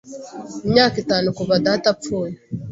imyaka itanu kuva data apfuye.